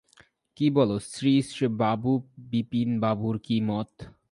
কী বল, শ্রীশবাবু বিপিনবাবুর কী মত?